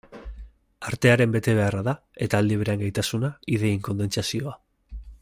Artearen betebeharra da, eta aldi berean gaitasuna, ideien kondentsazioa.